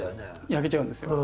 焼けちゃうんですよ。